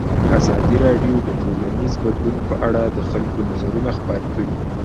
ازادي راډیو د ټولنیز بدلون په اړه د خلکو نظرونه خپاره کړي.